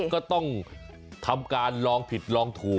ก็ต้องทำการลองผิดลองถูก